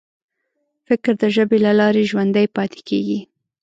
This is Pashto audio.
فکر د ژبې له لارې ژوندی پاتې کېږي.